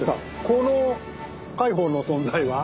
この海堡の存在は？